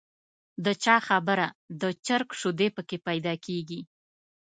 د چا خبره د چرګ شیدې په کې پیدا کېږي.